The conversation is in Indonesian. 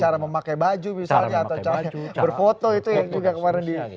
cara memakai baju misalnya atau cara berfoto itu yang juga kemarin di